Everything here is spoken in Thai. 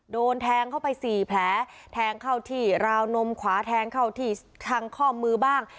โดนแทงเข้าไปสี่แผลแทงเข้าที่ราวนมขวาแทงเข้าที่คังข้อมือบ้าง